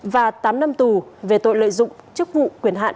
và tám năm tù về tội lợi dụng chức vụ quyền hạn